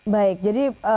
baik jadi pak